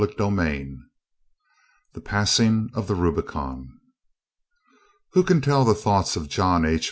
CHAPTER XVII. THE PASSING OF THE RUBICON. Who can tell the thoughts of John H.